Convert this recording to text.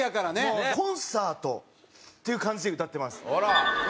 もうコンサートっていう感じで歌ってます。